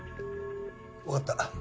わかった。